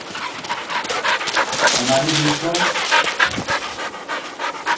ئەمانە هیی تۆن؟